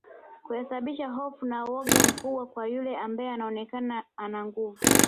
Kusababisha hofu na woga mkubwa kwa yule ambae anaonekana ana nguvu